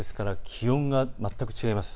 気温が全く違います。